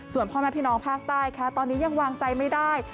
ส่วนพ่อแม่พี่น้องภาคใต้ค่ะตอนนี้ยังวางใจไม่ได้